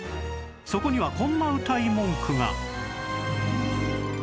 そこにはこんなうたい文句が